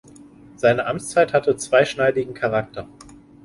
Seine Amtszeit hatte zweischneidigen Charakter.